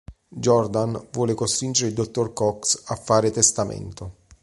Jordan vuole costringere il dottor Cox a fare testamento.